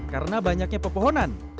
karena banyaknya pepohonan